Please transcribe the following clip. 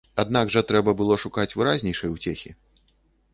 Аднак жа трэба было шукаць выразнейшай уцехі.